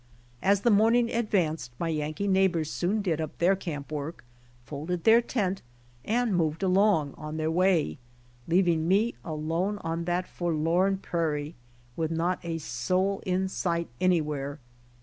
As the morning advanced my Yankee neighbors soon did up their camp work, folded their tent, and moved along on their way, leaving me alone on that forlorn prairie, with not a soul in sight anywhere.